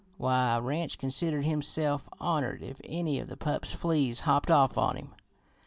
Why, Ranch considered himself honored if any of the pup's fleas hopped off on him.